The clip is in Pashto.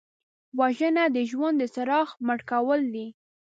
وژنه د ژوند د څراغ مړ کول دي